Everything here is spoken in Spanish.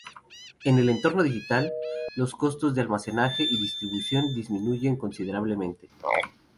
En el entorno digital, los costos de almacenaje y distribución disminuyen considerablemente.